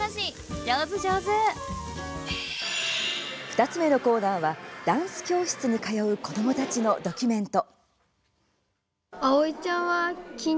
２つ目のコーナーはダンス教室に通う子どもたちのドキュメント。